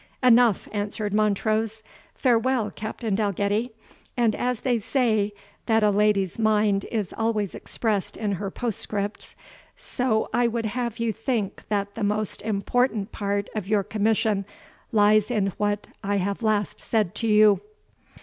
"Enough," answered Montrose; "farewell, Captain Dalgetty: and as they say that a lady's mind is always expressed in her postscript, so I would have you think that the most important part of your commission lies in what I have last said to you."